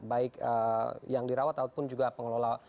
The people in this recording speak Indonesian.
baik yang dirawat ataupun juga pengelola wisma atlet di sana